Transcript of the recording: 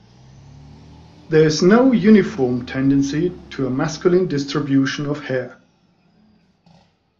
There is no uniform tendency to a masculine distribution of hair.